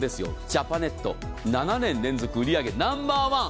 ジャパネット７年連続売り上げナンバーワン。